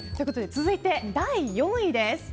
続いて、第４位です。